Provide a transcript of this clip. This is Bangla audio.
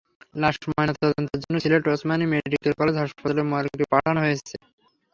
লাশ ময়নাতদন্তের জন্য সিলেট ওসমানী মেডিকেল কলেজ হাসপাতালের মর্গে পাঠানো হয়েছে।